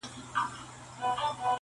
راغی پر نړۍ توپان ګوره چي لا څه کیږي-